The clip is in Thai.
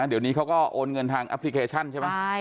เดี๋ยวนี้เขาก็โอนเงินทางแอปพลิเคชันใช่ไหม